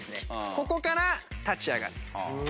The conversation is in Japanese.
ここから立ち上がります。